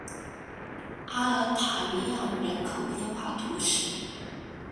阿尔塔尼昂人口变化图示